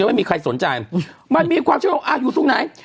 ไม่มีใครสนใจมันมีความเชื่อว่าอยู่ตรงไหน